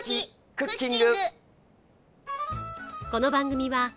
クッキング